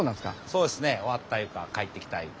そうですね終わったいうか帰ってきたいうか。